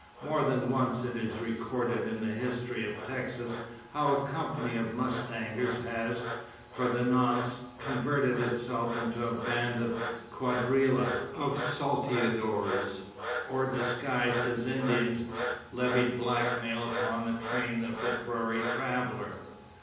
More than once is it recorded in the history of Texas how a company of mustangers has, for the nonce, converted itself into a band of cuadrilla of salteadores; or, disguised as Indians, levied black mail upon the train of the prairie traveller.